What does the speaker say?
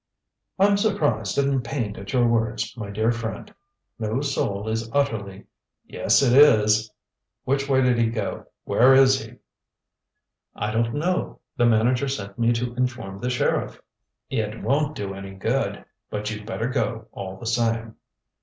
"I'm surprised and pained at your words, my dear friend. No soul is utterly " "Yes, it is. Which way did he go? Where is he?" "I don't know. The manager sent me to inform the sheriff." "It won't do any good. But you'd better go, all the same."